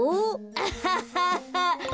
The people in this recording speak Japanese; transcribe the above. アハハハ！